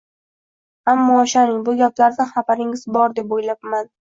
Ammo ishoning, bu gaplardan xabaringiz bor, deb o`ylabman